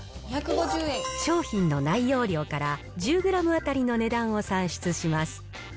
商品の内容量から１０グラム当たりの値段を算出します。